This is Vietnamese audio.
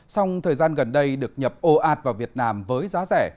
song thời gian gần đây được nhập ồ ạt vào việt nam với giá rẻ